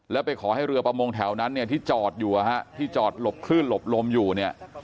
แล้วไปขอให้เรือประมงแถวนั้นเนี่ยที่จอดอยู่ที่จอดหลบคลื่นหลบลมอยู่เนี่ย